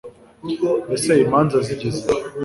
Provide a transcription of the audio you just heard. ese imanza zigeze he